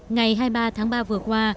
ngày hai mươi ba tháng ba vừa qua